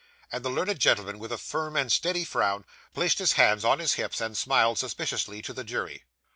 And the learned gentleman, with a firm and steady frown, placed his hands on his hips, and smiled suspiciously to the jury.